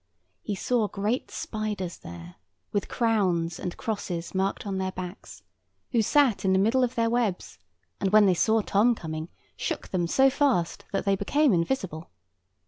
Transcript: He saw great spiders there, with crowns and crosses marked on their backs, who sat in the middle of their webs, and when they saw Tom coming, shook them so fast that they became invisible.